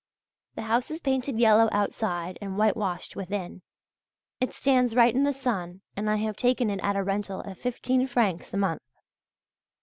The house is painted yellow outside and whitewashed within. It stands right in the sun and I have taken it at a rental of fifteen francs a month.